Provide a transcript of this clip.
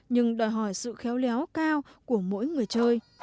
nhưng đòi hỏi sự khéo léo cao của mỗi người chơi